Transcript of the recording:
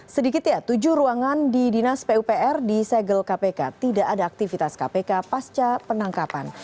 sedikitnya tujuh ruangan di dinas pupr di segel kpk tidak ada aktivitas kpk pasca penangkapan